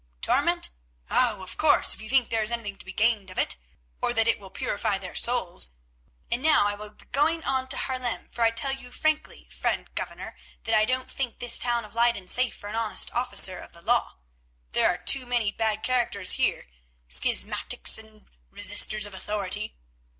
Torment? Oh! of course if you think there is anything to be gained by it, or that it will purify their souls. And now I will be going on to Haarlem, for I tell you frankly, friend Governor, that I don't think this town of Leyden safe for an honest officer of the law; there are too many bad characters here, schismatics and resisters of authority.